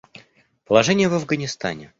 Положение в Афганистане.